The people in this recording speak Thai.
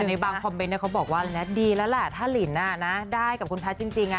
ในบางคอมเมนต์เขาบอกว่าแท็ตดีแล้วแหละถ้าลินได้กับคุณแพทย์จริง